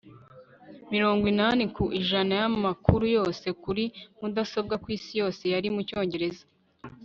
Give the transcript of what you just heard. mirongo inani ku ijana yamakuru yose kuri mudasobwa kwisi yose ari mucyongereza